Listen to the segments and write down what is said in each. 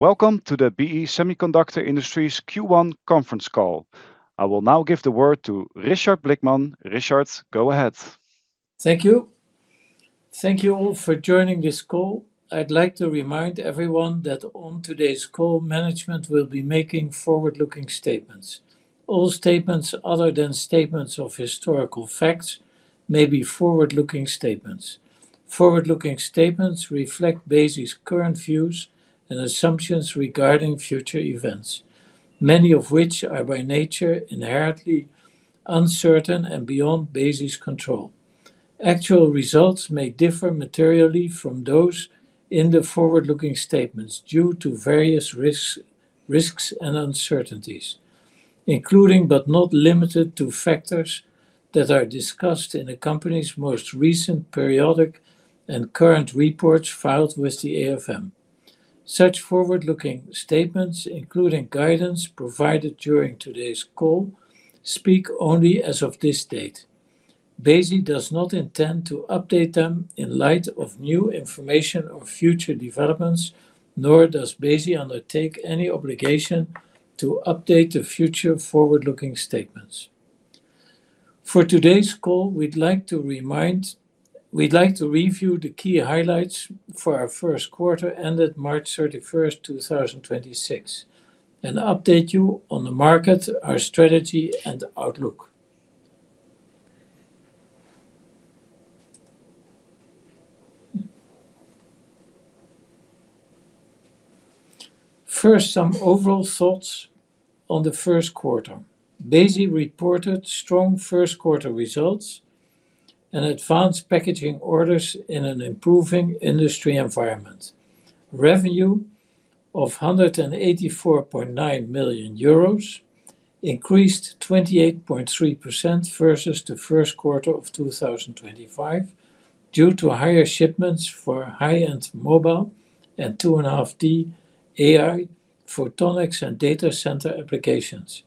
Welcome to the BE Semiconductor Industries Q1 conference call. I will now give the word to Richard Blickman. Richard, go ahead. Thank you. Thank you all for joining this call. I'd like to remind everyone that on today's call, management will be making forward-looking statements. All statements other than statements of historical facts may be forward-looking statements. Forward-looking statements reflect BESI's current views and assumptions regarding future events, many of which are by nature inherently uncertain and beyond BESI's control. Actual results may differ materially from those in the forward-looking statements due to various risks and uncertainties, including but not limited to factors that are discussed in the company's most recent periodic and current reports filed with the AFM. Such forward-looking statements, including guidance provided during today's call, speak only as of this date. BESI does not intend to update them in light of new information or future developments, nor does BESI undertake any obligation to update the future forward-looking statements. For today's call, we'd like to review the key highlights for our first quarter ended March 31st, 2026, and update you on the market, our strategy, and outlook. First, some overall thoughts on the first quarter. BESI reported strong first quarter results and advanced packaging orders in an improving industry environment. Revenue of 184.9 million euros increased 28.3% versus the first quarter of 2025 due to higher shipments for high-end mobile and 2.5D AI photonics and data center applications.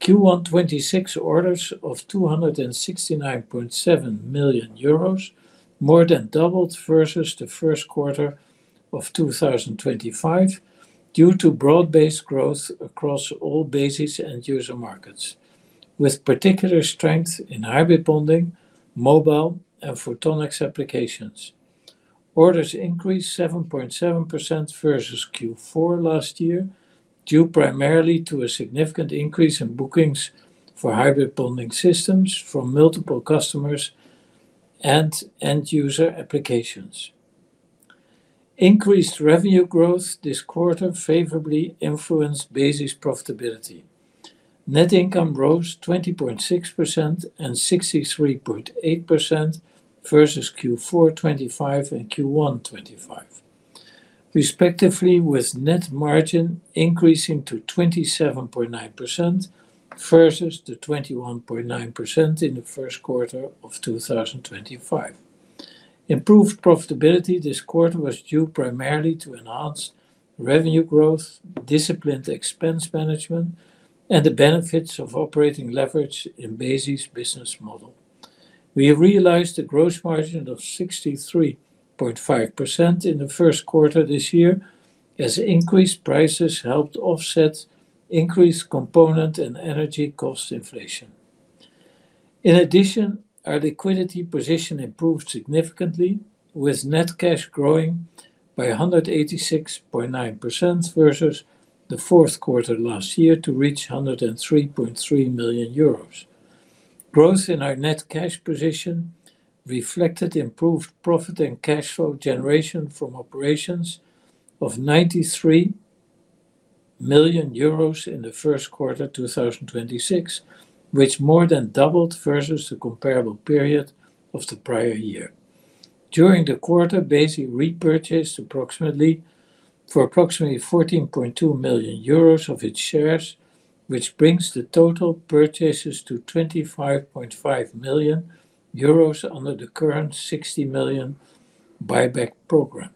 Q1 2026 orders of 269.7 million euros more than doubled versus the first quarter of 2025 due to broad-based growth across all BESI's end user markets, with particular strength in hybrid bonding, mobile, and photonics applications. Orders increased 7.7% versus Q4 last year, due primarily to a significant increase in bookings for hybrid bonding systems from multiple customers and end-user applications. Increased revenue growth this quarter favorably influenced BESI's profitability. Net income rose 20.6% and 63.8% versus Q4 2025 and Q1 2025, respectively, with net margin increasing to 27.9% versus the 21.9% in the first quarter of 2025. Improved profitability this quarter was due primarily to enhanced revenue growth, disciplined expense management, and the benefits of operating leverage in BESI's business model. We realized a gross margin of 63.5% in the first quarter this year as increased prices helped offset increased component and energy cost inflation. In addition, our liquidity position improved significantly, with net cash growing by 186.9% versus the fourth quarter last year to reach 103.3 million euros. Growth in our net cash position reflected improved profit and cash flow generation from operations of 93 million euros in the first quarter 2026, which more than doubled versus the comparable period of the prior year. During the quarter, BESI repurchased for approximately 14.2 million euros of its shares, which brings the total purchases to 25.5 million euros under the current 60 million buyback program.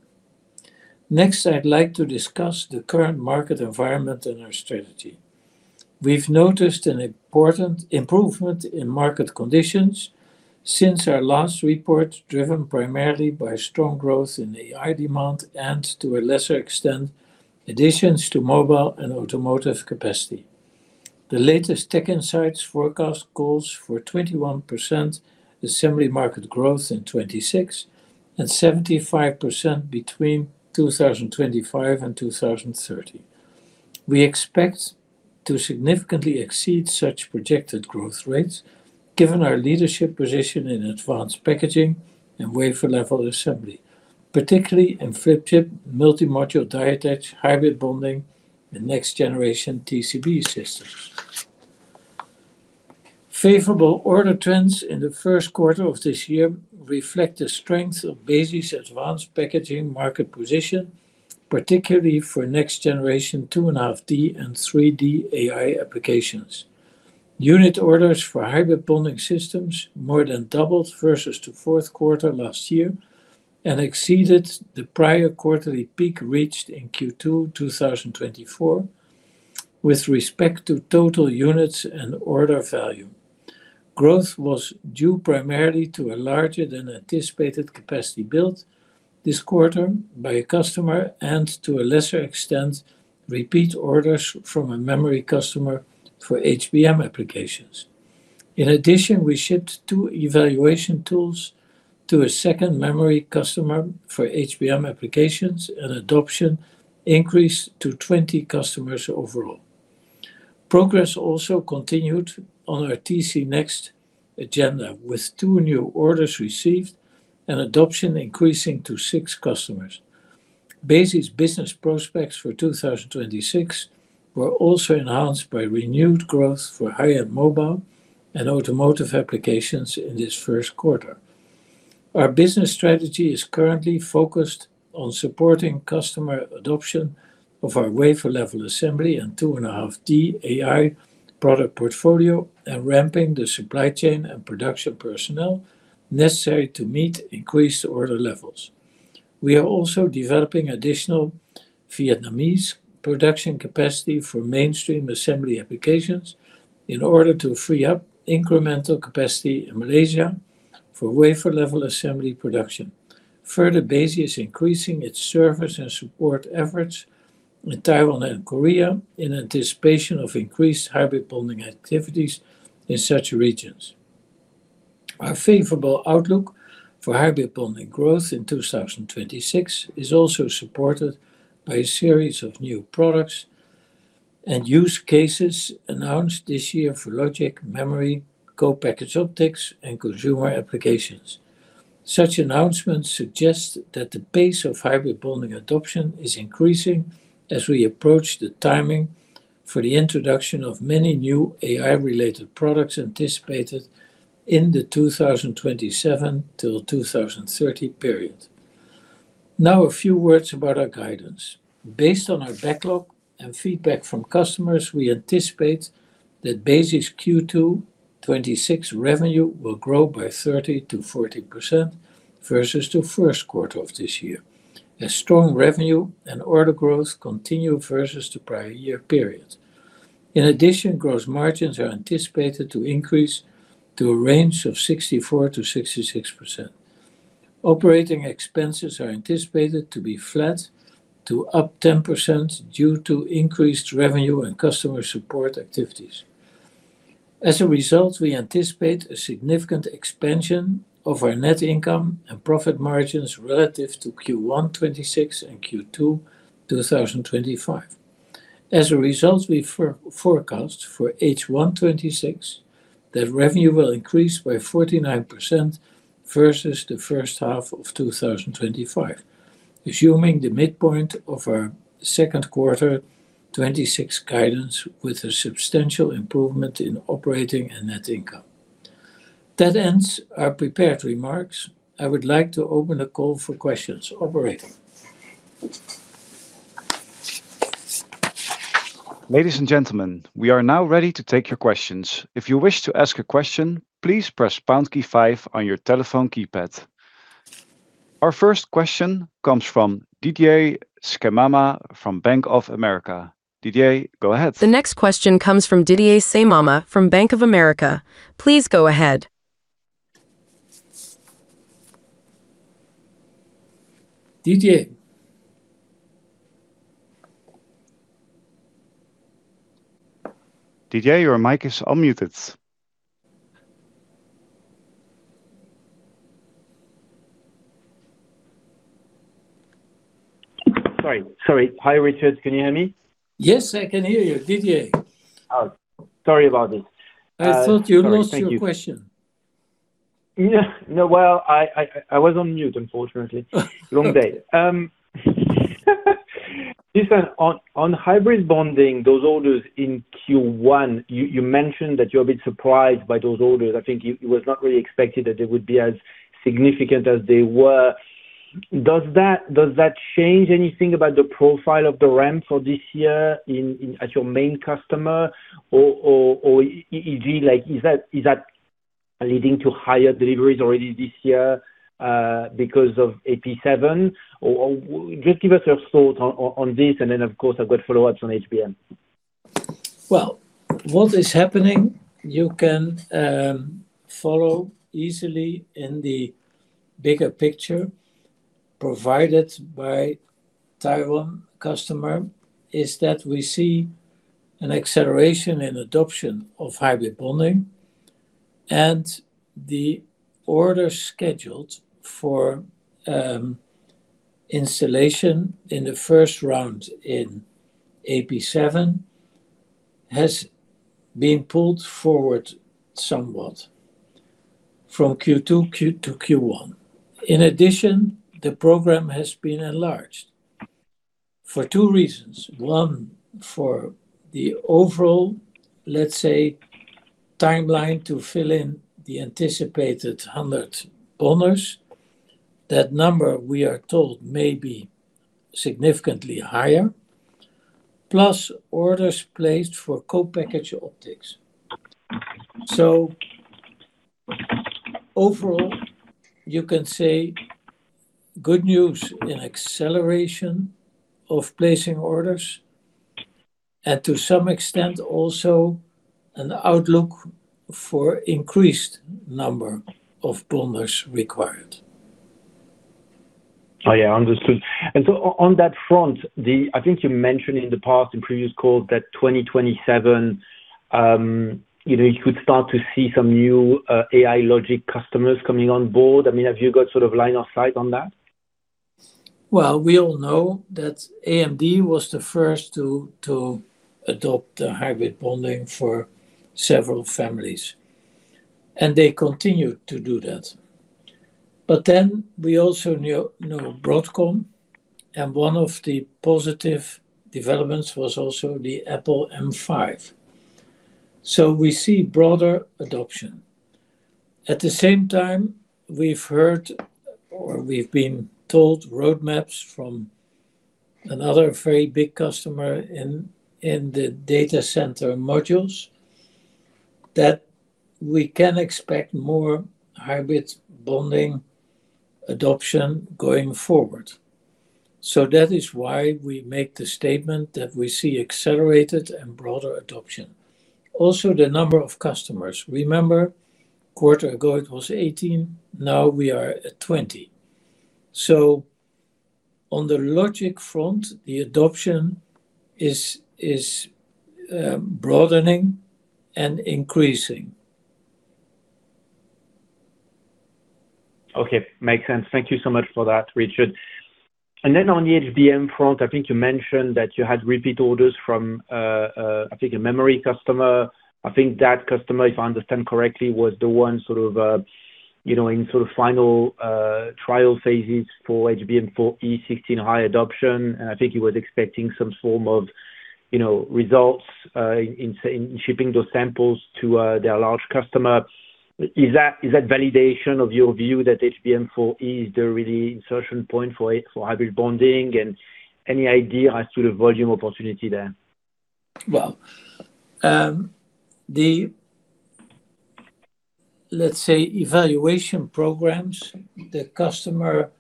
Next, I'd like to discuss the current market environment and our strategy. We've noticed an important improvement in market conditions since our last report, driven primarily by strong growth in AI demand and, to a lesser extent, additions to mobile and automotive capacity. The latest TechInsights forecast calls for 21% assembly market growth in 2026 and 75% between 2025 and 2030. We expect to significantly exceed such projected growth rates given our leadership position in advanced packaging and wafer level assembly, particularly in flip chip, multi-module die attach, hybrid bonding, and next generation TCB systems. Favorable order trends in the first quarter of this year reflect the strength of BESI's advanced packaging market position, particularly for next generation 2.5D and 3D AI applications. Unit orders for hybrid bonding systems more than doubled versus the fourth quarter last year and exceeded the prior quarterly peak reached in Q2 2024 with respect to total units and order value. Growth was due primarily to a larger than anticipated capacity build this quarter by a customer and to a lesser extent, repeat orders from a memory customer for HBM applications. In addition, we shipped two evaluation tools to a second memory customer for HBM applications, and adoption increased to 20 customers overall. Progress also continued on our TCB Next agenda, with two new orders received and adoption increasing to six customers. Basic business prospects for 2026 were also enhanced by renewed growth for high-end mobile and automotive applications in this first quarter. Our business strategy is currently focused on supporting customer adoption of our wafer-level assembly and 2.5D AI product portfolio and ramping the supply chain and production personnel necessary to meet increased order levels. We are also developing additional Vietnamese production capacity for mainstream assembly applications in order to free up incremental capacity in Malaysia for wafer-level assembly production. Further, BESI is increasing its service and support efforts in Taiwan and Korea in anticipation of increased hybrid bonding activities in such regions. Our favorable outlook for hybrid bonding growth in 2026 is also supported by a series of new products and use cases announced this year for logic, memory, co-packaged optics and consumer applications. Such announcements suggest that the pace of hybrid bonding adoption is increasing as we approach the timing for the introduction of many new AI-related products anticipated in the 2027 till 2030 period. Now, a few words about our guidance. Based on our backlog and feedback from customers, we anticipate that BESI's Q2 2026 revenue will grow by 30%-40% versus the first quarter of this year, as strong revenue and order growth continue versus the prior year period. In addition, gross margins are anticipated to increase to a range of 64%-66%. Operating expenses are anticipated to be flat to up 10% due to increased revenue and customer support activities. As a result, we anticipate a significant expansion of our net income and profit margins relative to Q1 2026 and Q2 2025. As a result, we forecast for H1 2026 that revenue will increase by 49% versus the first half of 2025, assuming the midpoint of our second quarter 2026 guidance with a substantial improvement in operating and net income. That ends our prepared remarks. I would like to open the call for questions. Operator. Ladies and gentlemen, we are now ready to take your questions. If you wish to ask a question, please press pound key five on your telephone keypad. Our first question comes from Didier Scemama from Bank of America. Didier, go ahead. The next question comes from Didier Scemama from Bank of America. Please go ahead. Didier. Didier, your mic is unmuted. Sorry. Hi, Richard. Can you hear me? Yes, I can hear you, Didier. Oh, sorry about this. I thought you lost your question. No, well, I was on mute, unfortunately. Long day. Listen, on hybrid bonding, those orders in Q1, you mentioned that you're a bit surprised by those orders. I think it was not really expected that they would be as significant as they were. Does that change anything about the profile of the ramp for this year at your main customer? Or is that leading to higher deliveries already this year because of AP7? Or just give us your thought on this, and then, of course, I've got follow-ups on HBM. Well, what is happening, you can follow easily in the bigger picture provided by Taiwan customer, is that we see an acceleration in adoption of hybrid bonding, and the order scheduled for installation in the first round in AP7 has been pulled forward somewhat from Q2 to Q1. In addition, the program has been enlarged for two reasons. One, for the overall, let's say, timeline to fill in the anticipated 100 bonders. That number, we are told, may be significantly higher. Plus orders placed for co-packaged optics. Okay. Overall, you can say good news in acceleration of placing orders, and to some extent also an outlook for increased number of bonders required. Oh yeah, understood. On that front, I think you mentioned in the past, in previous calls, that 2027 you could start to see some new AI logic customers coming on board. Have you got sort of line of sight on that? Well, we all know that AMD was the first to adopt the hybrid bonding for several families, and they continued to do that. We also knew Broadcom, and one of the positive developments was also the Apple M5. We see broader adoption. At the same time, we've heard, or we've been told roadmaps from another very big customer in the data center modules, that we can expect more hybrid bonding adoption going forward. That is why we make the statement that we see accelerated and broader adoption. Also the number of customers. Remember, quarter ago it was 18, now we are at 20. On the logic front, the adoption is broadening and increasing. Okay. Makes sense. Thank you so much for that, Richard. Then on the HBM front, I think you mentioned that you had repeat orders from, I think a memory customer. I think that customer, if I understand correctly, was the one in final trial phases for HBM 16-high HBM adoption, and I think he was expecting some form of results in shipping those samples to their large customer. Is that validation of your view that HBM4E is the real insertion point for hybrid bonding, and any idea as to the volume opportunity there? Well, let's say, evaluation programs, the customer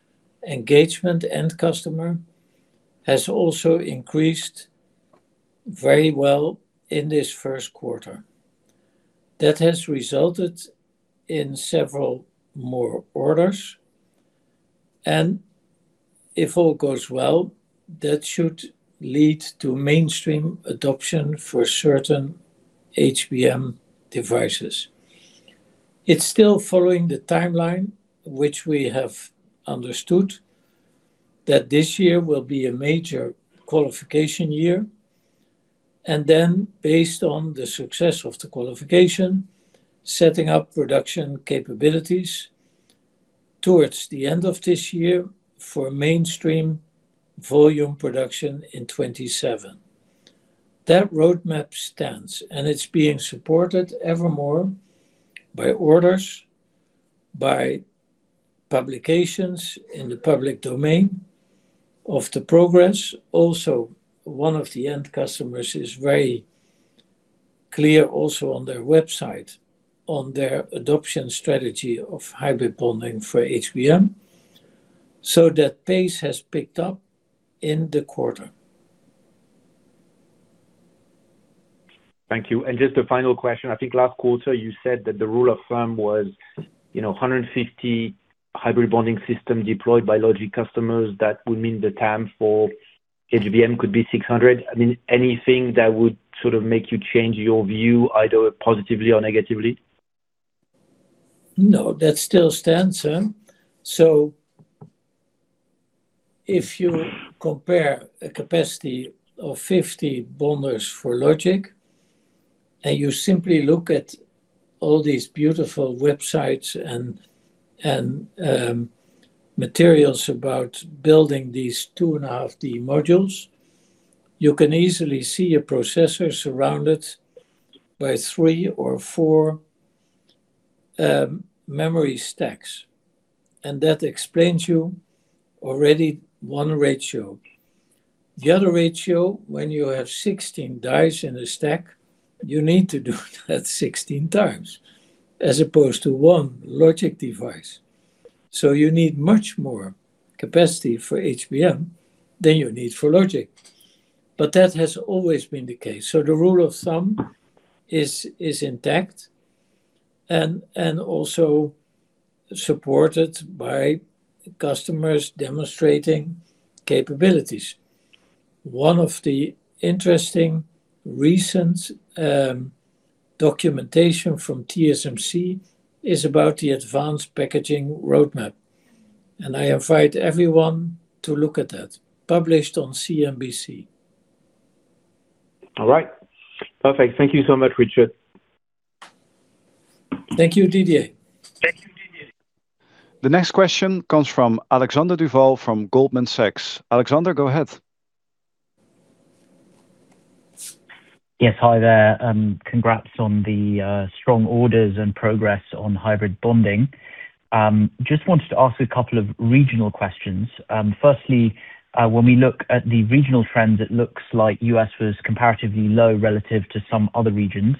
engagement, end customer, has also increased very well in this first quarter. That has resulted in several more orders, and if all goes well, that should lead to mainstream adoption for certain HBM devices. It's still following the timeline which we have understood, that this year will be a major qualification year, based on the success of the qualification, setting up production capabilities towards the end of this year for mainstream volume production in 2027. That roadmap stands, and it's being supported ever more by orders, by publications in the public domain of the progress. Also, one of the end customers is very clear also on their website on their adoption strategy of hybrid bonding for HBM. That pace has picked up in the quarter. Thank you. Just a final question. I think last quarter you said that the rule of thumb was 150 hybrid bonding system deployed by logic customers, that would mean the TAM for HBM could be 600. Anything that would sort of make you change your view, either positively or negatively? No, that still stands. If you compare a capacity of 50 bonders for logic, and you simply look at all these beautiful websites and materials about building these 2.5D modules, you can easily see a processor surrounded by three or four memory stacks. That explains to you already one ratio. The other ratio, when you have 16 dies in a stack, you need to do that 16 times, as opposed to one logic device. You need much more capacity for HBM than you need for logic. That has always been the case. The rule of thumb is intact, and also supported by customers demonstrating capabilities. One of the interesting recent documentation from TSMC is about the advanced packaging roadmap, and I invite everyone to look at that. Published on CNBC. All right, perfect. Thank you so much, Richard. Thank you, Didier. Thank you, Didier. The next question comes from Alexander Duval from Goldman Sachs. Alexander, go ahead. Yes. Hi there, and congrats on the strong orders and progress on hybrid bonding. Just wanted to ask a couple of regional questions. Firstly, when we look at the regional trends, it looks like U.S. was comparatively low relative to some other regions.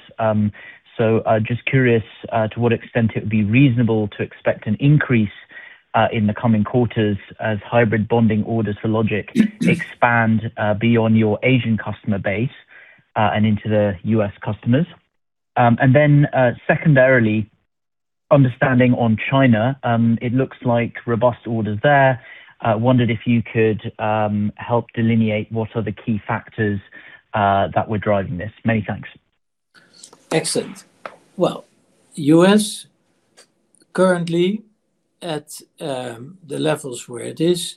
Just curious to what extent it would be reasonable to expect an increase in the coming quarters as hybrid bonding orders for Logic expand beyond your Asian customer base and into the U.S. customers. Then secondarily, understanding on China, it looks like robust orders there. Wondered if you could help delineate what are the key factors that were driving this. Many thanks. Excellent. Well, U.S. currently at the levels where it is,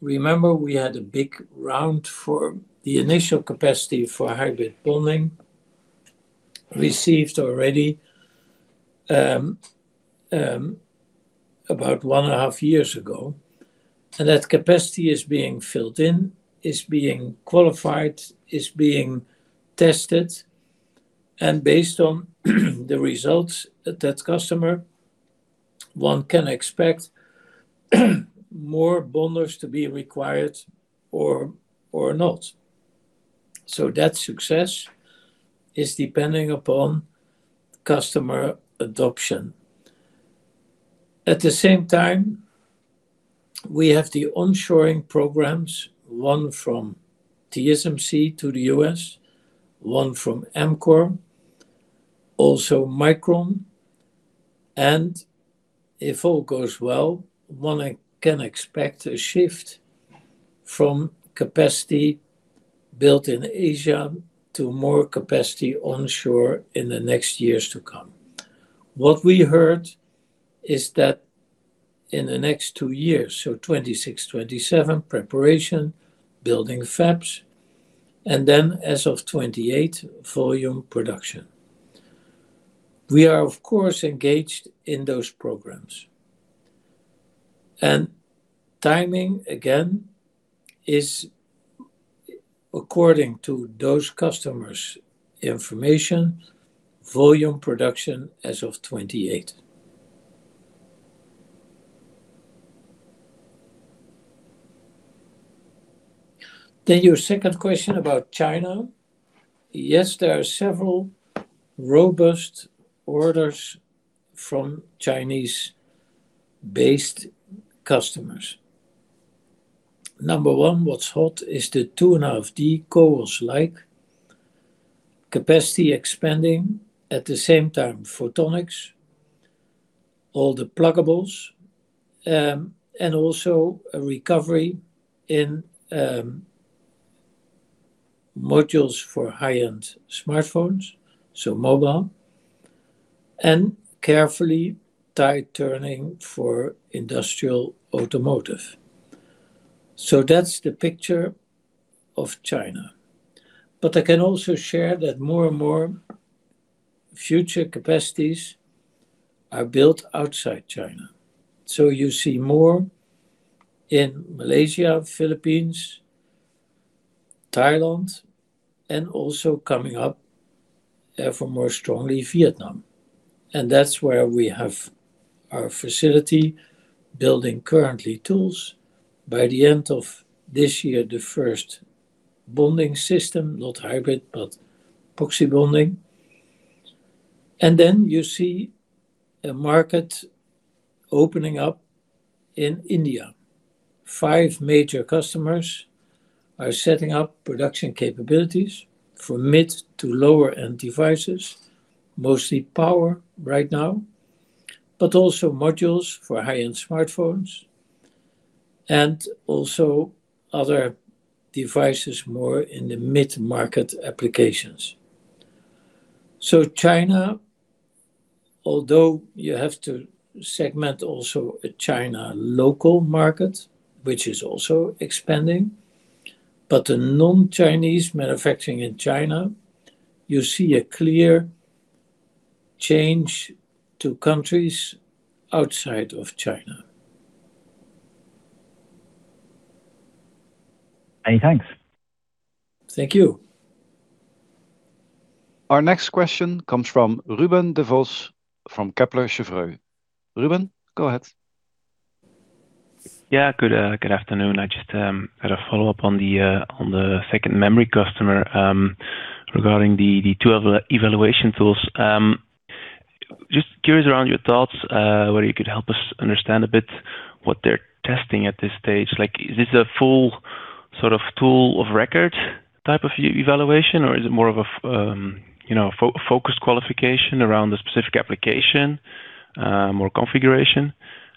remember we had a big round for the initial capacity for hybrid bonding received already about 1.5 years ago. That capacity is being filled in, is being qualified, is being tested, and based on the results that customer one can expect more bonders to be required or not. That success is depending upon customer adoption. At the same time, we have the onshoring programs, one from TSMC to the U.S., one from Amkor, also Micron, and if all goes well, one can expect a shift from capacity built in Asia to more capacity onshore in the next years to come. What we heard is that in the next two years, so 2026, 2027, preparation, building fabs, and then as of 2028, volume production. We are, of course, engaged in those programs. Timing, again, is according to those customers' information, volume production as of 2028. Your second question about China. Yes, there are several robust orders from Chinese-based customers. Number one, what's hot is the 2.5D CoWoS-like capacity expanding at the same time, photonics, all the pluggables, and also a recovery in modules for high-end smartphones, so mobile, and carefully tight turning for industrial automotive. That's the picture of China. I can also share that more and more future capacities are built outside China. You see more in Malaysia, Philippines, Thailand, and also coming up, therefore more strongly, Vietnam. That's where we have our facility, building currently tools. By the end of this year, the first bonding system, not hybrid, but proxy bonding. Then you see a market opening up in India. Five major customers are setting up production capabilities for mid to lower-end devices, mostly power right now, but also modules for high-end smartphones and also other devices more in the mid-market applications. China, although you have to segment also a China local market, which is also expanding, but the non-Chinese manufacturing in China, you see a clear change to countries outside of China. Many thanks. Thank you. Our next question comes from Ruben Devos from Kepler Cheuvreux. Ruben, go ahead. Yeah. Good afternoon. I just had a follow-up on the second memory customer, regarding the 2 evaluation tools. Just curious around your thoughts, whether you could help us understand a bit what they're testing at this stage. Is this a full sort of tool of record type of evaluation, or is it more of a focused qualification around the specific application or configuration?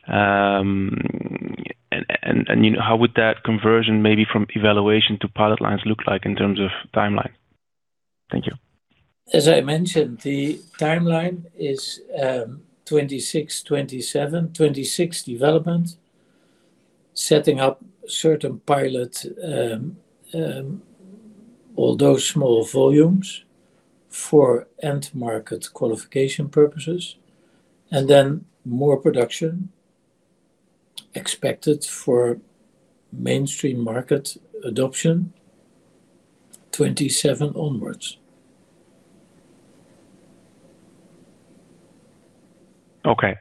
How would that conversion maybe from evaluation to pilot lines look like in terms of timeline? Thank you. As I mentioned, the timeline is 2026, 2027. 2026 development, setting up certain pilot, although small volumes for end market qualification purposes, and then more production expected for mainstream market adoption 2027 onwards. Okay.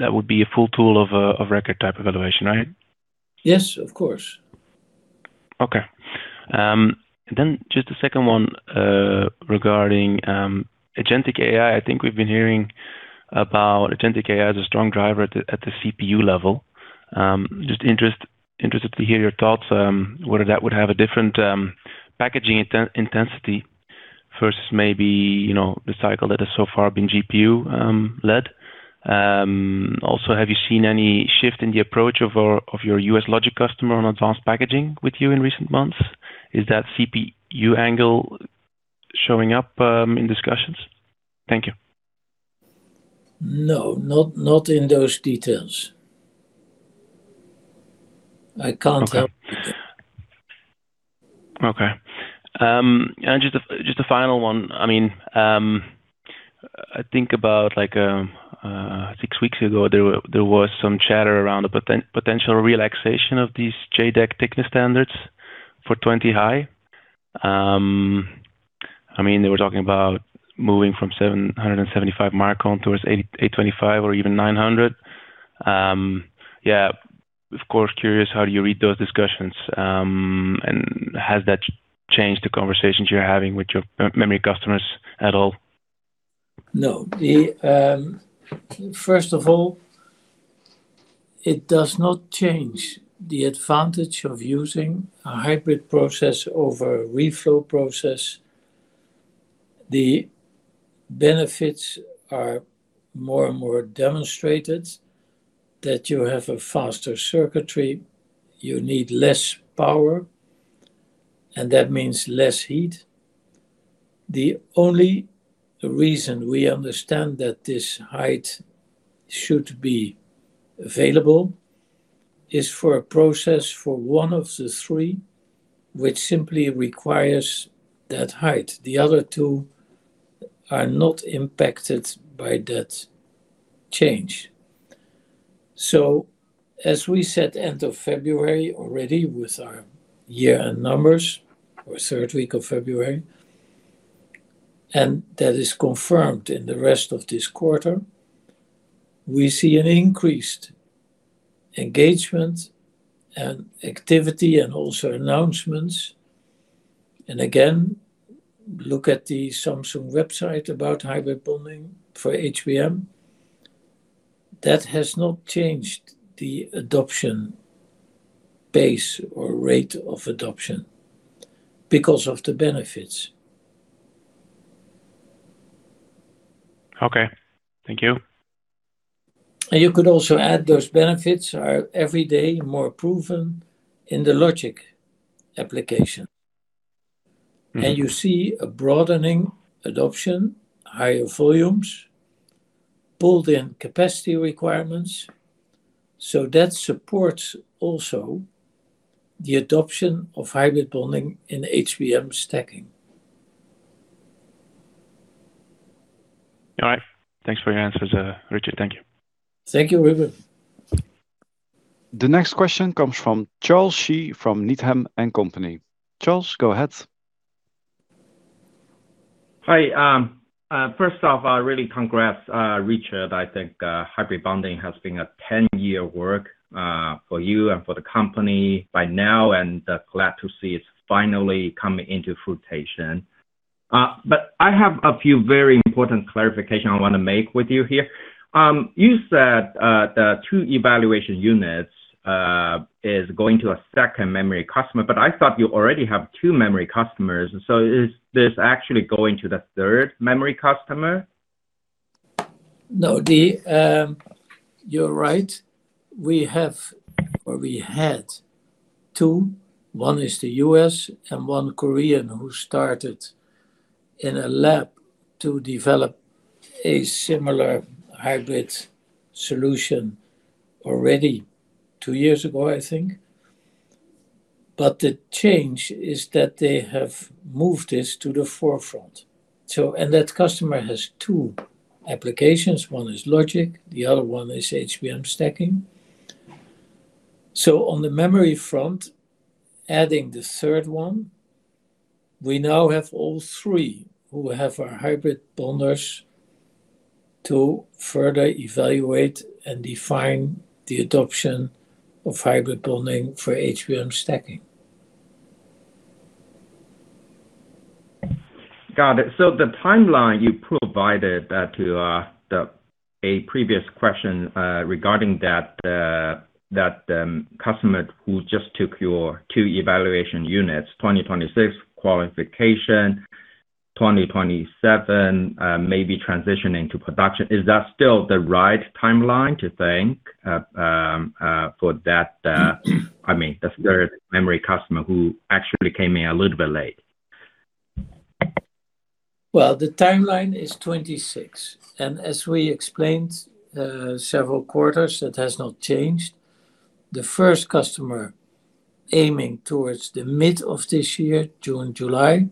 That would be a full tool of record type evaluation, right? Yes, of course. Okay. Just the second one, regarding agentic AI, I think we've been hearing about agentic AI as a strong driver at the CPU level. I'm just interested to hear your thoughts, whether that would have a different packaging intensity versus maybe, the cycle that has so far been GPU led. Also, have you seen any shift in the approach of your U.S. logic customer on advanced packaging with you in recent months? Is that CPU angle showing up in discussions? Thank you. No, not in those details. I can't help. Okay. Just a final one. I think about six weeks ago, there was some chatter around a potential relaxation of these JEDEC thickness standards for 20-high. They were talking about moving from 775 micron towards 825 or even 900. Yeah, of course. Curious, how do you read those discussions? Has that changed the conversations you're having with your memory customers at all? No. First of all, it does not change the advantage of using a hybrid process over a reflow process. The benefits are more and more demonstrated that you have a faster circuitry, you need less power, and that means less heat. The only reason we understand that this height should be available is for a process for one of the three, which simply requires that height. The other two are not impacted by that change. As we said end of February already with our year-end numbers, or third week of February, and that is confirmed in the rest of this quarter, we see an increased engagement and activity and also announcements. Again, look at the Samsung website about hybrid bonding for HBM. That has not changed the adoption base or rate of adoption because of the benefits. Okay. Thank you. You could also add those benefits are every day more proven in the logic application. Mm-hmm. You see a broadening adoption, higher volumes, pulled in capacity requirements. That supports also the adoption of hybrid bonding in HBM stacking. All right. Thanks for your answers, Richard. Thank you. Thank you, Ruben. The next question comes from Charles Shi from Needham & Company. Charles, go ahead. Hi. First off, really congrats, Richard. I think hybrid bonding has been a 10-year work for you and for the company by now, and glad to see it's finally coming into fruition. But I have a few very important clarification I want to make with you here. You said the two evaluation units is going to a second memory customer, but I thought you already have two memory customers. Is this actually going to the third memory customer? No, you're right. We have or we had two, one is the U.S. and one Korean who started in a lab to develop a similar hybrid solution already two years ago, I think. The change is that they have moved this to the forefront. That customer has two applications. One is logic, the other one is HBM stacking. On the memory front, adding the third one, we now have all three who have our hybrid bonders to further evaluate and define the adoption of hybrid bonding for HBM stacking. Got it. The timeline you provided to a previous question, regarding that customer who just took your two evaluation units, 2026 qualification, 2027, maybe transitioning to production. Is that still the right timeline to think, for that third memory customer who actually came in a little bit late? Well, the timeline is 2026. As we explained, several quarters, that has not changed. The first customer aiming towards the mid of this year, June, July,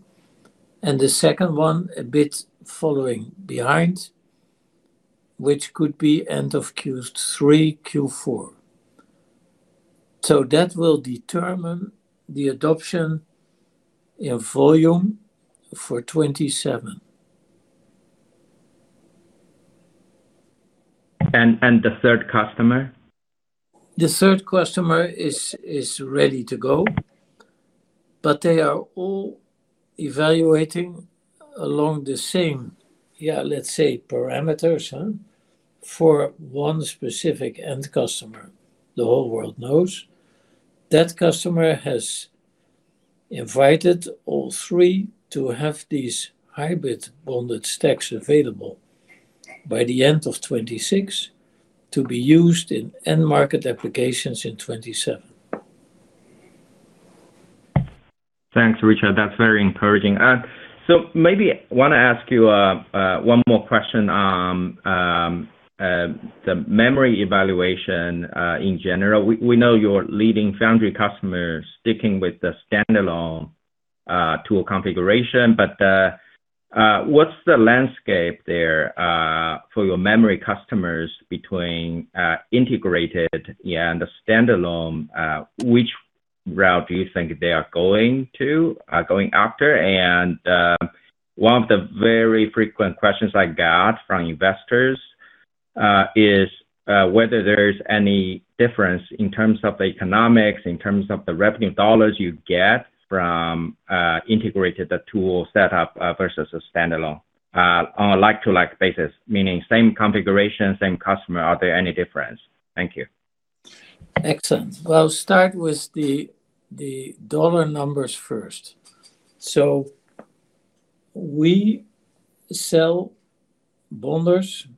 and the second one a bit following behind. Which could be end of Q3, Q4. That will determine the adoption in volume for 2027. The third customer? The third customer is ready to go, but they are all evaluating along the same, let's say, parameters, for one specific end customer. The whole world knows that customer has invited all three to have these hybrid bonded stacks available by the end of 2026 to be used in end market applications in 2027. Thanks, Richard. That's very encouraging. Maybe want to ask you one more question on the memory evaluation in general. We know you're leading foundry customers sticking with the standalone tool configuration, but what's the landscape there for your memory customers between integrated and the standalone? Which route do you think they are going after? One of the very frequent questions I got from investors is whether there's any difference in terms of economics, in terms of the revenue dollars you get from integrated tool setup versus a standalone on a like-to-like basis, meaning same configuration, same customer. Are there any difference? Thank you. Excellent. Well, I'll start with the dollar numbers first. We sell bonders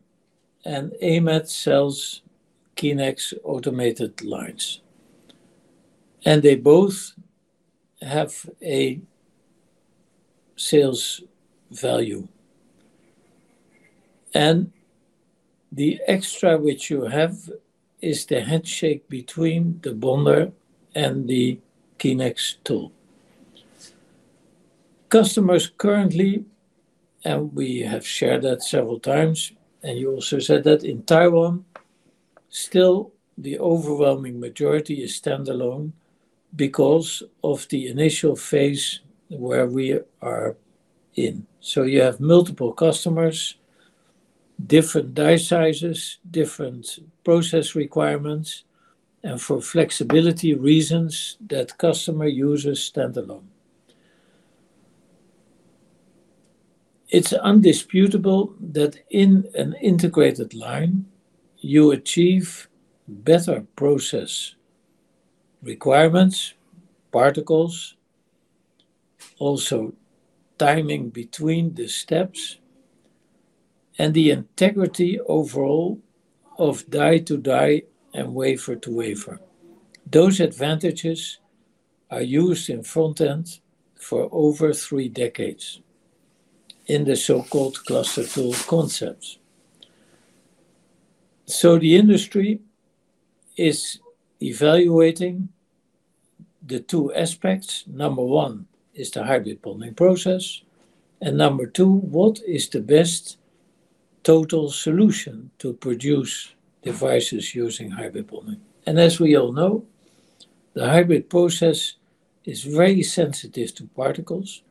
and AMAT sells Kinex automated lines, and they both have a sales value. The extra which you have is the handshake between the bonder and the Kinex tool. Customers currently, and we have shared that several times, and you also said that in Taiwan, still the overwhelming majority is standalone because of the initial phase where we are in. You have multiple customers, different die sizes, different process requirements, and for flexibility reasons, that customer uses standalone. It's indisputable that in an integrated line you achieve better process requirements, particles, also timing between the steps, and the integrity overall of die-to-die and wafer-to-wafer. Those advantages are used in front end for over three decades in the so-called cluster tool concepts. The industry is evaluating the two aspects. Number one is the hybrid bonding process, and number two, what is the best total solution to produce devices using hybrid bonding? As we all know, the hybrid process is very sensitive to particles,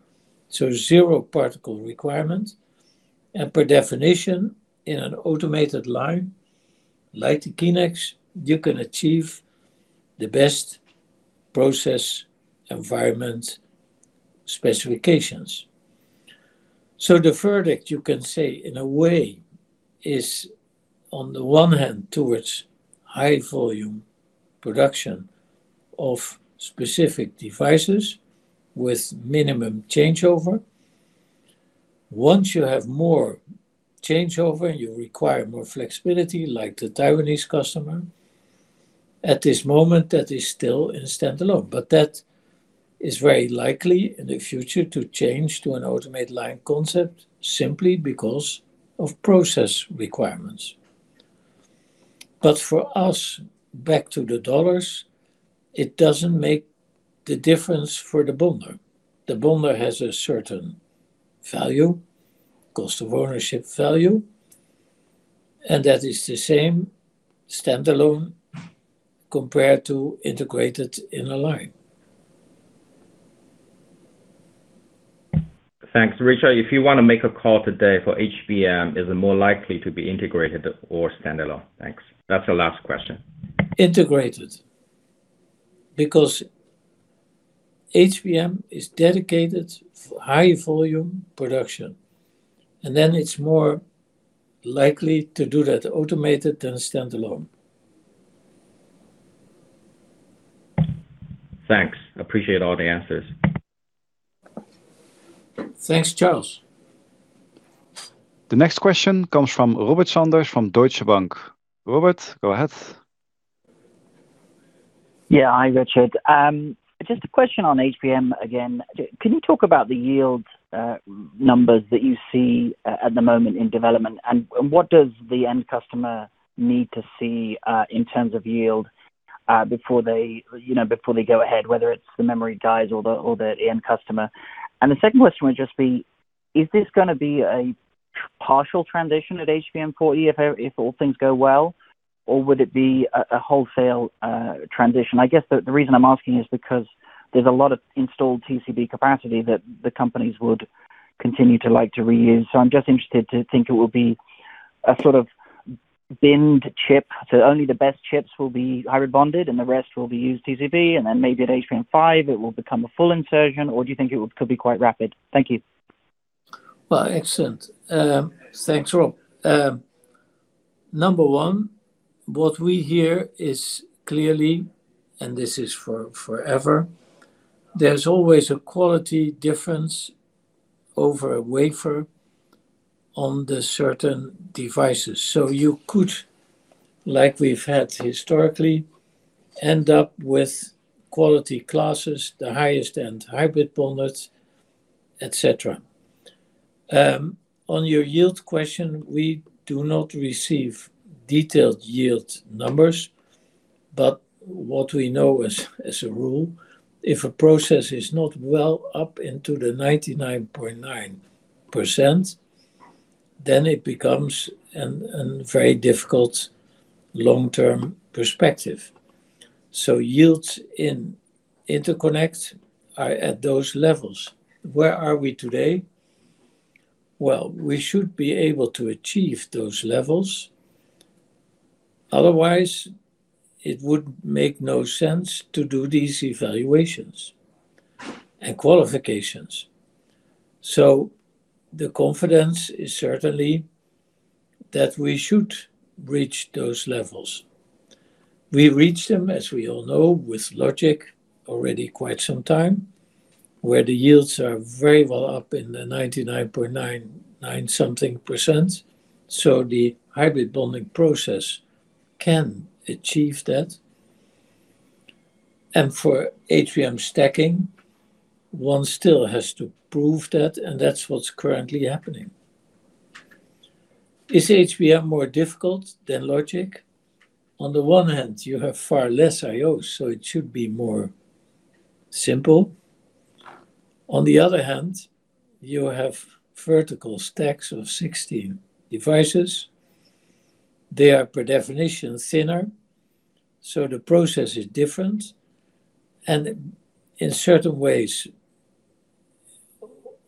so zero particle requirement. By definition, in an automated line like the Kinex, you can achieve the best process environment specifications. The verdict you can say, in a way, is on the one hand towards high volume production of specific devices with minimum changeover. Once you have more changeover, you require more flexibility, like the Taiwanese customer. At this moment, that is still in standalone, but that is very likely in the future to change to an automated line concept simply because of process requirements. For us, back to the dollars, it doesn't make the difference for the bonder. The bonder has a certain value, cost of ownership value, and that is the same standalone compared to integrated in a line. Thanks, Richard. If you want to make a call today for HBM, is it more likely to be integrated or standalone? Thanks. That's the last question. Integrated, because HBM is dedicated for high volume production, and then it's more likely to do that automated than standalone. Thanks. Appreciate all the answers. Thanks, Charles. The next question comes from Robert Sanders from Deutsche Bank. Robert, go ahead. Yeah. Hi, Richard. Just a question on HBM again. Can you talk about the yield numbers that you see at the moment in development, and what does the end customer need to see, in terms of yield before they go ahead, whether it's the memory guys or the end customer. The second question would just be, is this going to be a partial transition at HBM4E if all things go well, or would it be a wholesale transition? I guess the reason I'm asking is because there's a lot of installed TCB capacity that the companies would continue to like to reuse. I'm just interested to think it will be a sort of binned chip, so only the best chips will be hybrid bonded and the rest will be used TCB, and then maybe at HBM5 it will become a full insertion or do you think it could be quite rapid? Thank you. Well, excellent. Thanks, Rob. Number one, what we hear is clearly, and this is forever, there's always a quality difference over a wafer on the certain devices. You could, like we've had historically, end up with quality classes, the highest end hybrid bonders, et cetera. On your yield question, we do not receive detailed yield numbers, but what we know as a rule, if a process is not well up into the 99.9%, then it becomes a very difficult long-term perspective. Yields in interconnect are at those levels. Where are we today? Well, we should be able to achieve those levels, otherwise it would make no sense to do these evaluations and qualifications. The confidence is certainly that we should reach those levels. We reach them, as we all know, with Logic already quite some time, where the yields are very well up in the 99.99% something. The hybrid bonding process can achieve that. For HBM stacking, one still has to prove that, and that's what's currently happening. Is HBM more difficult than Logic? On the one hand, you have far less IO, so it should be more simple. On the other hand, you have vertical stacks of 60 devices. They are per definition thinner, so the process is different. In certain ways,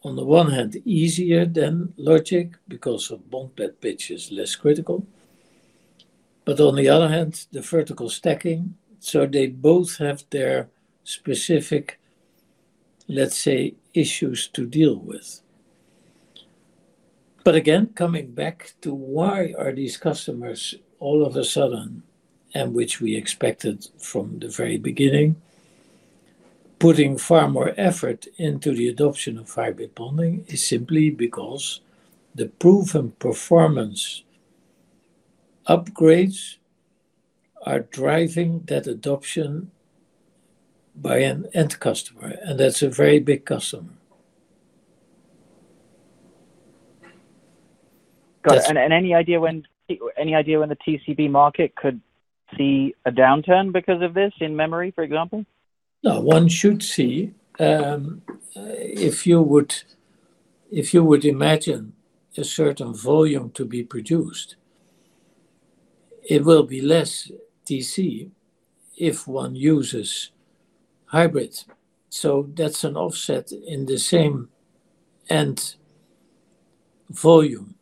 on the one hand easier than Logic because of bond pad pitch is less critical. On the other hand, the vertical stacking. They both have their specific, let's say, issues to deal with. Coming back to why are these customers all of a sudden, and which we expected from the very beginning, putting far more effort into the adoption of hybrid bonding is simply because the proven performance upgrades are driving that adoption by an end customer, and that's a very big customer. Got it. Any idea when the TCB market could see a downturn because of this in memory, for example? No, one should see, if you would imagine a certain volume to be produced, it will be less TC if one uses hybrids. That's an offset in the same end volume.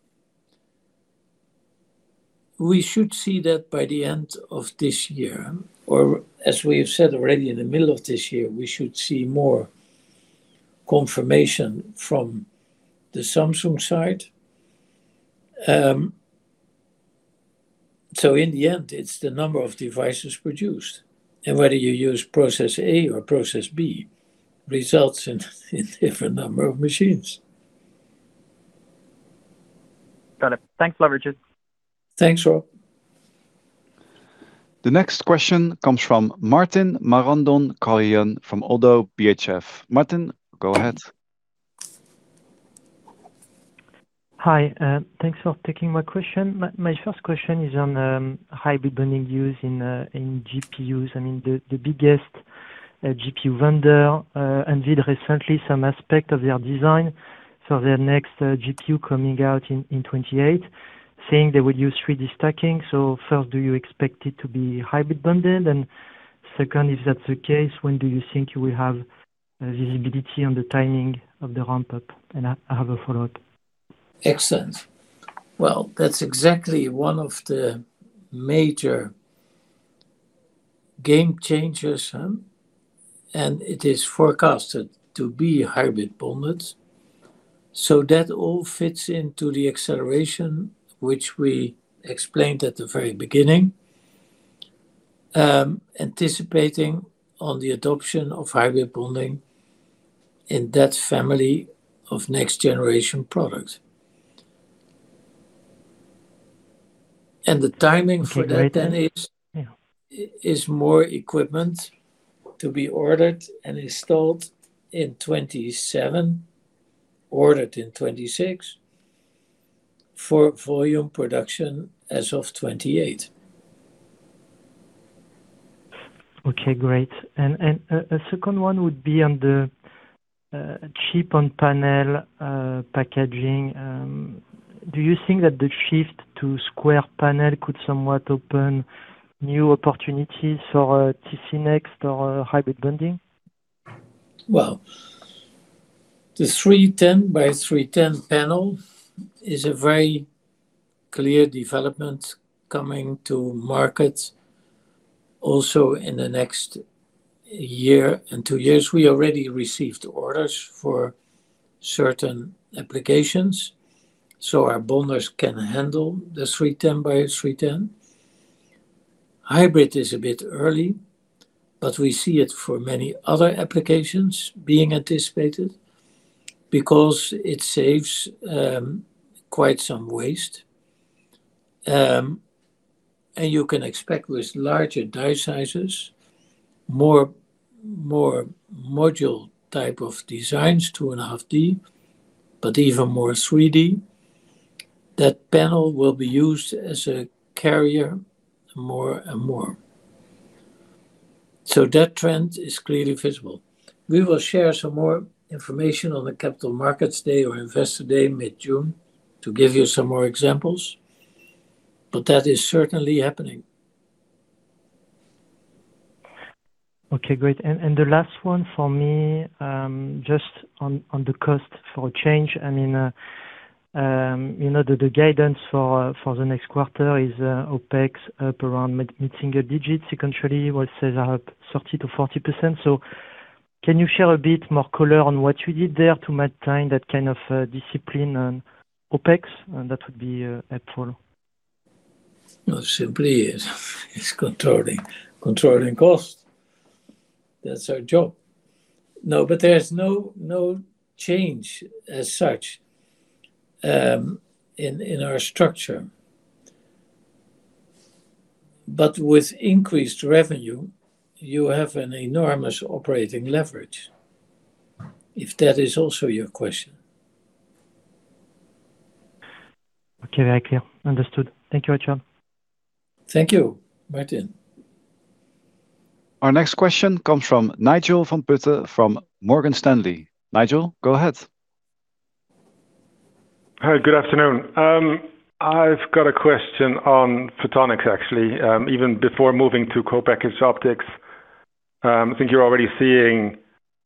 We should see that by the end of this year, or as we have said already in the middle of this year, we should see more confirmation from the Samsung side. In the end, it's the number of devices produced and whether you use process A or process B results in different number of machines. Got it. Thanks a lot, Richard. Thanks, Rob. The next question comes from Martin Marandon-Carlhian from ODDO BHF. Martin, go ahead. Hi, thanks for taking my question. My first question is on hybrid bonding use in GPUs. I mean, the biggest GPU vendor, and did recently some aspect of their design for their next GPU coming out in 2028, saying they would use 3D stacking. First, do you expect it to be hybrid bonded? Second, if that's the case, when do you think you will have visibility on the timing of the ramp-up? I have a follow-up. Excellent. Well, that's exactly one of the major game changers, and it is forecasted to be hybrid bonding. That all fits into the acceleration which we explained at the very beginning, anticipating on the adoption of hybrid bonding in that family of next generation products. The timing for that then is. Yeah There is more equipment to be ordered and installed in 2027, ordered in 2026 for volume production as of 2028. Okay, great. A second one would be on the chip-on-panel packaging. Do you think that the shift to square panel could somewhat open new opportunities for TCB Next or hybrid bonding? Well, the 310 by 310 panel is a very clear development coming to market also in the next year and two years. We already received orders for certain applications. Our bonders can handle the 310 by 310. Hybrid is a bit early, but we see it for many other applications being anticipated because it saves quite some waste. You can expect with larger die sizes, more module type of designs, 2.5D, but even more 3D, that panel will be used as a carrier more and more. That trend is clearly visible. We will share some more information on the Capital Markets Day or Investor Day mid-June to give you some more examples. That is certainly happening. Okay, great. The last one for me, just on the CapEx and OpEx in the guidance for the next quarter is OpEx up around mid-single digits sequentially, CapEx up 30%-40%. Can you share a bit more color on what you did there to maintain that kind of discipline on OpEx? That would be helpful. No, simply it's controlling cost. That's our job. No, there's no change as such in our structure. With increased revenue, you have an enormous operating leverage, if that is also your question. Okay, very clear. Understood. Thank you, Richard. Thank you, Martin. Our next question comes from Nigel van Putten from Morgan Stanley. Nigel, go ahead. Hi, good afternoon. I've got a question on photonics, actually. Even before moving to co-packaged optics, I think you're already seeing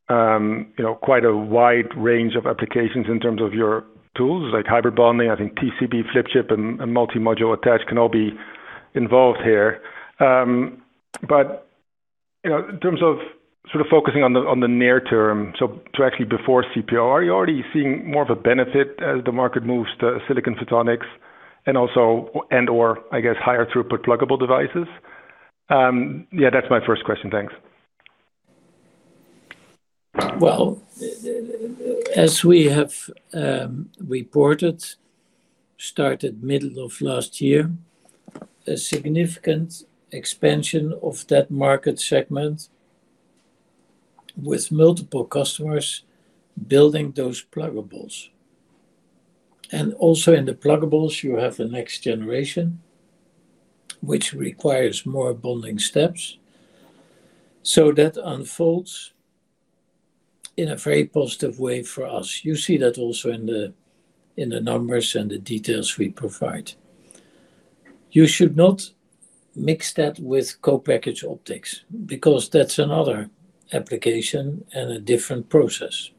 quite a wide range of applications in terms of your tools like hybrid bonding. I think PCB, flip chip, and multi-module attach can all be involved here. In terms of sort of focusing on the near term, so to actually before CPO, are you already seeing more of a benefit as the market moves to silicon photonics and also or I guess higher throughput pluggable devices? Yeah, that's my first question. Thanks. Well, as we have reported, started middle of last year, a significant expansion of that market segment with multiple customers building those pluggables. Also in the pluggables, you have the next generation, which requires more bonding steps. That unfolds in a very positive way for us. You see that also in the numbers and the details we provide. You should not mix that with co-packaged optics because that's another application and a different process.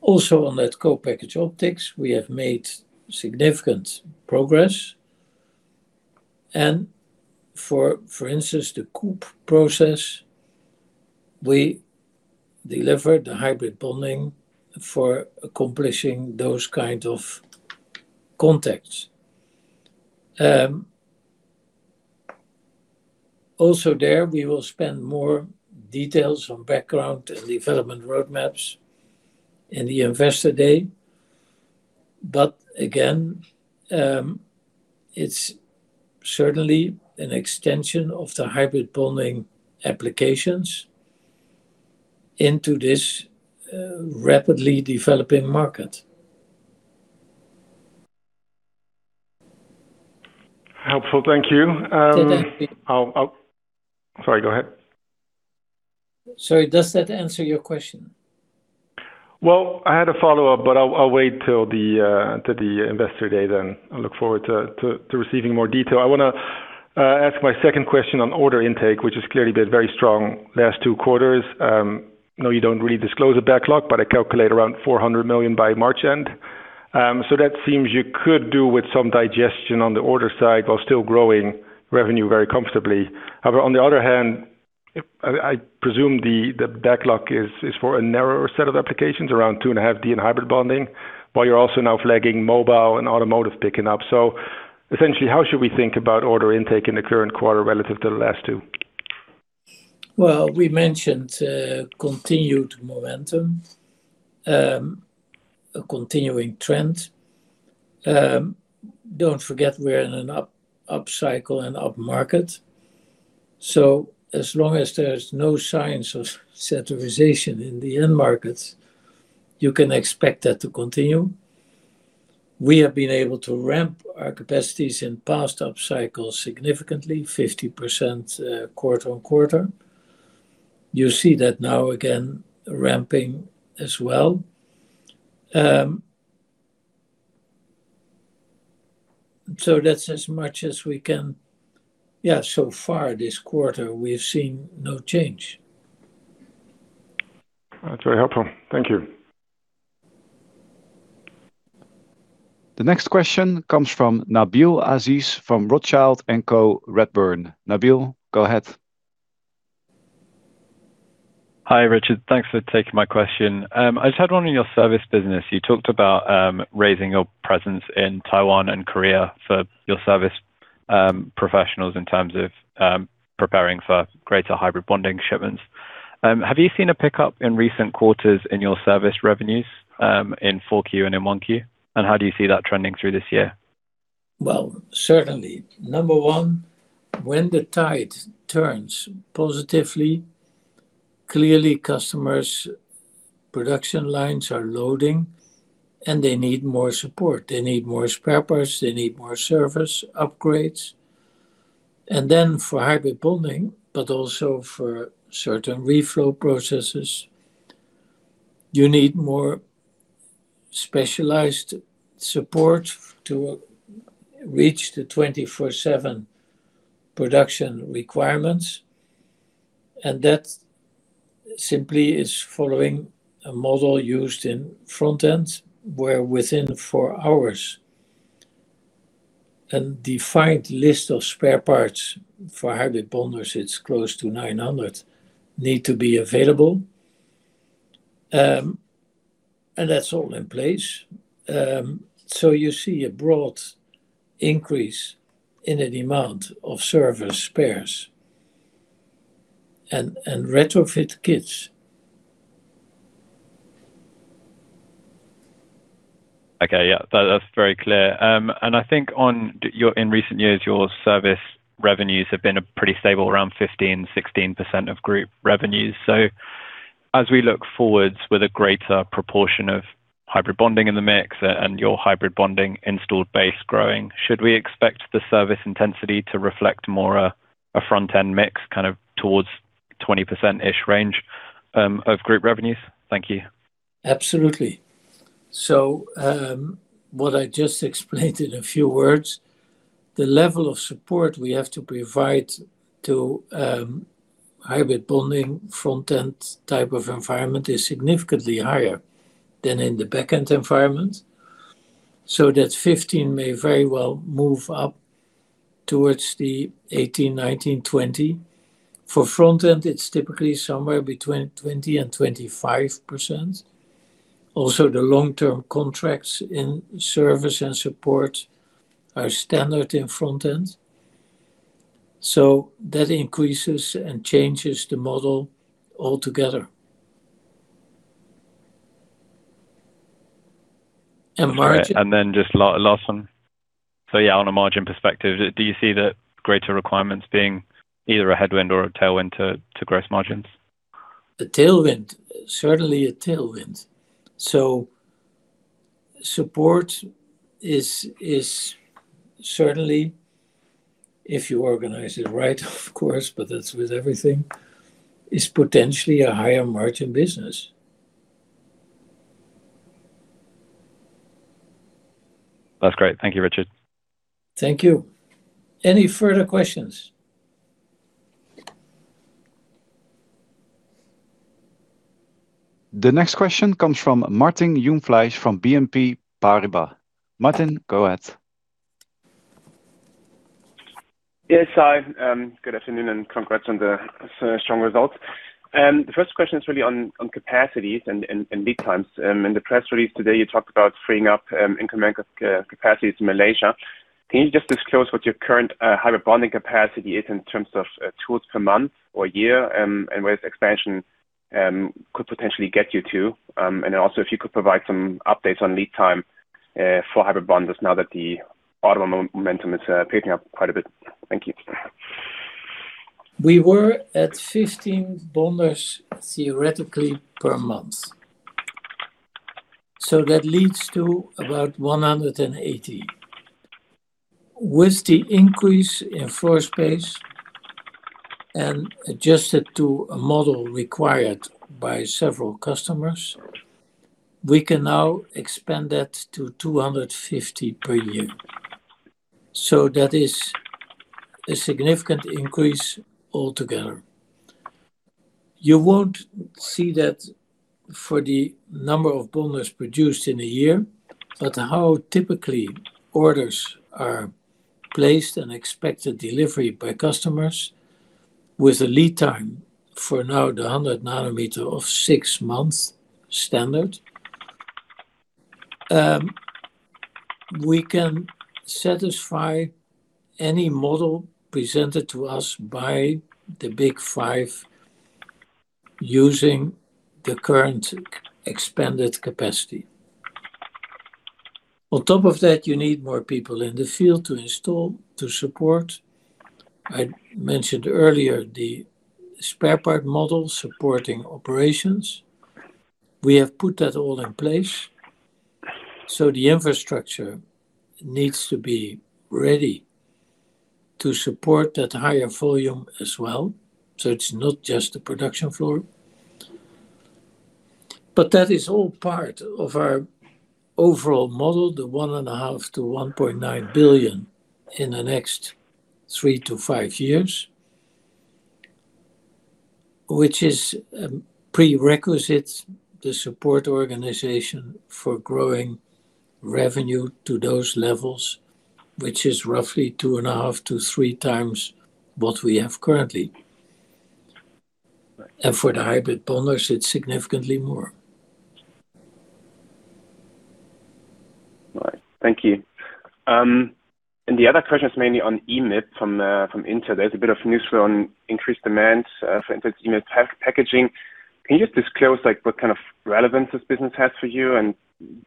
Also on that co-packaged optics, we have made significant progress. For instance, the COPO process, we delivered the hybrid bonding for accomplishing those kinds of contacts. Also there, we will share more details on background and development roadmaps in the Investor Day. Again, it's certainly an extension of the hybrid bonding applications into this rapidly developing market. Helpful. Thank you. Did I- Sorry, go ahead. Sorry, does that answer your question? Well, I had a follow-up, but I'll wait till the Investor Day then. I look forward to receiving more detail. I want to ask my second question on order intake, which has clearly been very strong last two quarters. I know you don't really disclose a backlog, but I calculate around 400 million by March end. That seems you could do with some digestion on the order side while still growing revenue very comfortably. However, on the other hand, I presume the backlog is for a narrower set of applications, around 2.5D in hybrid bonding, while you're also now flagging mobile and automotive picking up. Essentially, how should we think about order intake in the current quarter relative to the last two? Well, we mentioned continued momentum, a continuing trend. Don't forget we're in an upcycle and upmarket. As long as there's no signs of saturation in the end markets, you can expect that to continue. We have been able to ramp our capacities in past up cycles significantly, 50% quarter-over-quarter. You see that now again, ramping as well. That's as much as we can. So far this quarter, we have seen no change. That's very helpful. Thank you. The next question comes from Nabeel Aziz from Rothschild & Co Redburn. Nabeel, go ahead. Hi, Richard. Thanks for taking my question. I just had one in your service business. You talked about raising your presence in Taiwan and Korea for your service professionals in terms of preparing for greater hybrid bonding shipments. Have you seen a pickup in recent quarters in your service revenues, in 4Q and in 1Q? And how do you see that trending through this year? Well, certainly. Number one, when the tide turns positively, clearly customers' production lines are loading and they need more support. They need more spare parts. They need more service upgrades. For hybrid bonding, but also for certain reflow processes, you need more specialized support to reach the 24/7 production requirements. That simply is following a model used in front end, where within four hours a defined list of spare parts for hybrid bonders, it's close to 900, need to be available. That's all in place. You see a broad increase in the demand of service spares and retrofit kits. Okay. Yeah. That's very clear. I think in recent years, your service revenues have been pretty stable, around 15%-16% of group revenues. As we look forward with a greater proportion of hybrid bonding in the mix and your hybrid bonding installed base growing, should we expect the service intensity to reflect more a front-end mix, kind of towards 20%ish range of group revenues? Thank you. Absolutely. What I just explained in a few words, the level of support we have to provide to hybrid bonding front-end type of environment is significantly higher than in the back-end environment. That 15% may very well move up towards the 18%, 19%, 20%. For front end, it's typically somewhere between 20%-25%. Also, the long-term contracts in service and support are standard in front end, so that increases and changes the model altogether. Margin- Just last one. Yeah, on a margin perspective, do you see the greater requirements being either a headwind or a tailwind to gross margins? A tailwind, certainly a tailwind. Support is certainly, if you organize it right, of course, but that's with everything, is potentially a higher margin business. That's great. Thank you, Richard. Thank you. Any further questions? The next question comes from Martin Jungfleisch from BNP Paribas. Martin, go ahead. Yes, hi. Good afternoon, and congrats on the strong results. The first question is really on capacities and lead times. In the press release today, you talked about freeing up incremental capacities in Malaysia. Can you just disclose what your current hybrid bonding capacity is in terms of tools per month or year, and where this expansion could potentially get you to? Then also, if you could provide some updates on lead time for hybrid bonders now that the auto momentum is picking up quite a bit. Thank you. We were at 15 bonders theoretically per month. That leads to about 180. With the increase in floor space and adjusted to a model required by several customers, we can now expand that to 250 per year. That is a significant increase altogether. You won't see that for the number of bonders produced in a year, but how typically orders are placed and expected delivery by customers with a lead time for now the 100 nanometer of six months standard, we can satisfy any model presented to us by the big five using the current expanded capacity. On top of that, you need more people in the field to install, to support. I mentioned earlier the spare part model supporting operations. We have put that all in place, so the infrastructure needs to be ready to support that higher volume as well. It's not just the production floor. That is all part of our overall model, the 1.5 billion-1.9 billion in the next three to five years, which is a prerequisite, the support organization, for growing revenue to those levels, which is roughly 2.5x-3x what we have currently. For the hybrid bonder, it's significantly more. Right. Thank you. The other question is mainly on EMIB from Intel. There's a bit of news on increased demand for Intel's EMIB packaging. Can you just disclose what kind of relevance this business has for you, and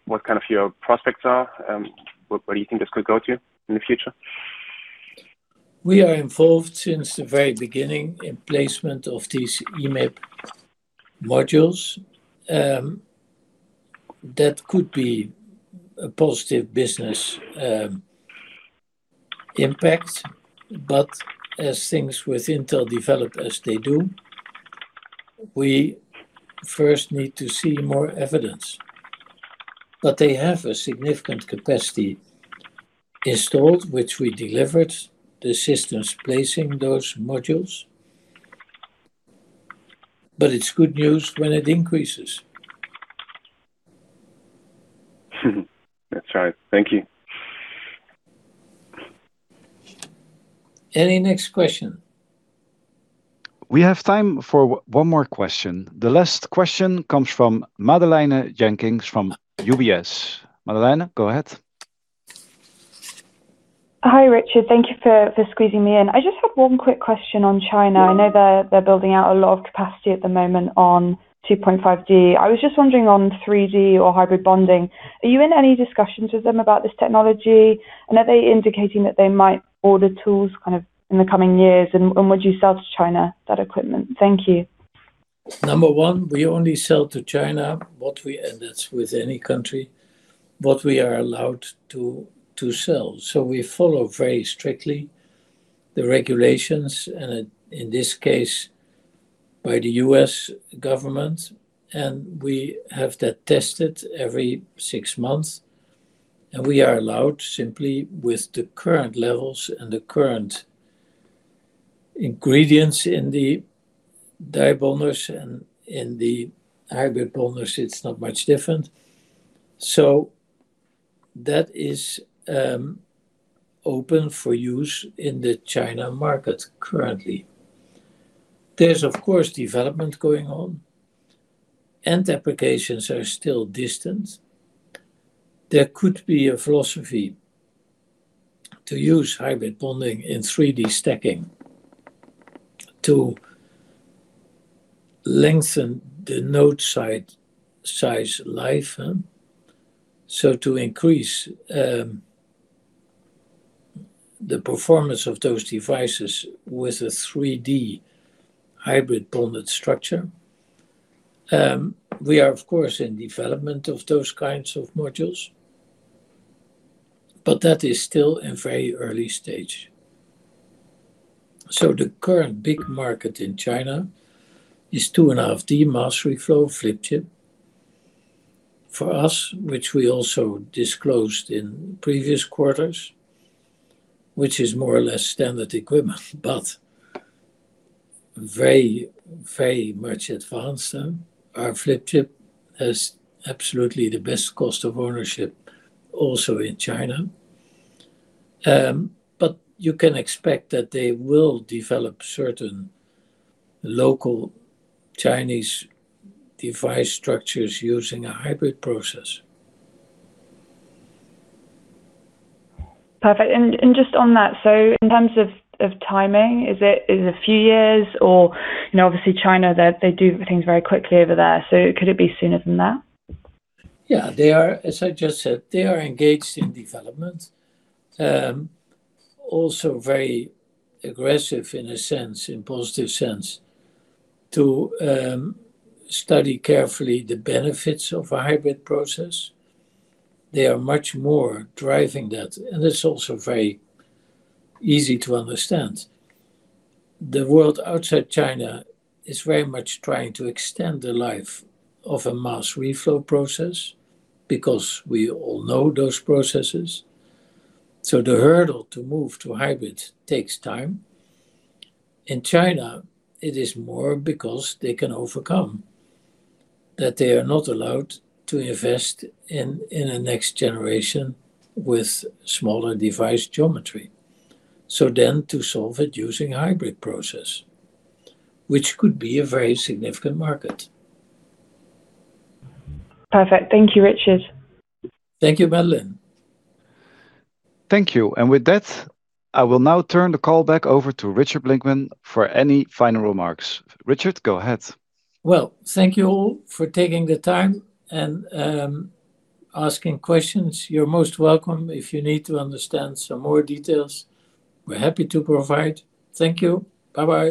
what your prospects are, and where you think this could go to in the future? We are involved since the very beginning in placement of these EMIB modules. That could be a positive business impact, but as things with Intel develop as they do, we first need to see more evidence. They have a significant capacity installed, which we delivered the systems placing those modules. It's good news when it increases. That's right. Thank you. Any next question? We have time for one more question. The last question comes from Madeleine Jenkins from UBS. Madeleine, go ahead. Hi, Richard. Thank you for squeezing me in. I just had one quick question on China. Yeah. I know they're building out a lot of capacity at the moment on 2.5D. I was just wondering on 3D or hybrid bonding, are you in any discussions with them about this technology? Are they indicating that they might order tools in the coming years, and would you sell to China that equipment? Thank you. Number one, we only sell to China, and it's with any country, what we are allowed to sell. We follow very strictly the regulations, and in this case, by the U.S. government, and we have that tested every six months. We are allowed simply with the current levels and the current ingredients in the die bonders and in the hybrid bonders. It's not much different. That is open for use in the China market currently. There's, of course, development going on. End applications are still distant. There could be a philosophy to use hybrid bonding in 3D stacking to lengthen the node size life. To increase the performance of those devices with a 3D hybrid bonded structure. We are, of course, in development of those kinds of modules, but that is still in very early stage. The current big market in China is 2.5D mass reflow flip chip. For us, which we also disclosed in previous quarters, which is more or less standard equipment, but very much advanced. Our flip chip has absolutely the best cost of ownership also in China. You can expect that they will develop certain local Chinese device structures using a hybrid process. Perfect. Just on that, in terms of timing, is it a few years or? Obviously, China, they do things very quickly over there. Could it be sooner than that? Yeah. As I just said, they are engaged in development. Also very aggressive in a sense, in positive sense, to study carefully the benefits of a hybrid process. They are much more driving that, and it's also very easy to understand. The world outside China is very much trying to extend the life of a mass reflow process, because we all know those processes. The hurdle to move to hybrid takes time. In China, it is more because they can overcome that they are not allowed to invest in a next generation with smaller device geometry, to solve it using hybrid process, which could be a very significant market. Perfect. Thank you, Richard. Thank you, Madeleine. Thank you. With that, I will now turn the call back over to Richard Blickman for any final remarks. Richard, go ahead. Well, thank you all for taking the time and asking questions. You're most welcome. If you need to understand some more details, we're happy to provide. Thank you. Bye-bye